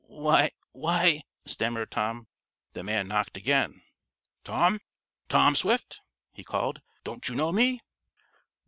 "Why why " stammered Tom. The man knocked again. "Tom Tom Swift!" he called. "Don't you know me?"